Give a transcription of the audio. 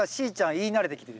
言い慣れてきてる。